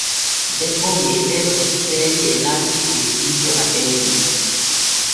Debbo wi’eteeɗo Esiteeli e laati beldiijo Abeeli.